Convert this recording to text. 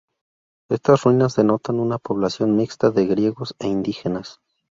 Estas ruinas denotan una población mixta de griegos e indígenas.